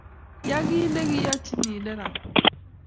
Ya kiy ne kiyachini nerekwa